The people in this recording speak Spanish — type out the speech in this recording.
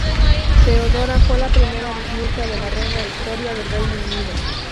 Feodora fue la primera bisnieta de la reina Victoria del Reino Unido.